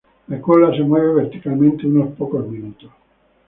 La cola se mueve verticalmente unos pocos minutos.